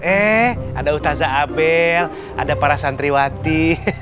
eh ada ustadz zabel ada para santriwati